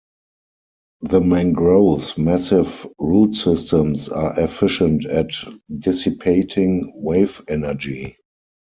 The mangroves' massive root systems are efficient at dissipating wave energy.